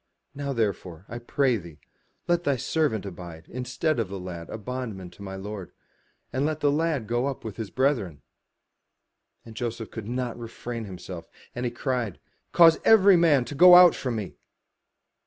Now therefore, I pray thee, let thy servant abide instead of the lad a bondman to my lord; and let the lad go up with his brethren. And Joseph could not refrain himself, and he cried, ''Cause every man to go out from me.'